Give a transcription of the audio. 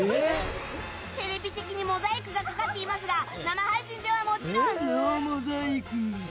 テレビ的にモザイクがかかっていますが生配信ではもちろんノーモザイク。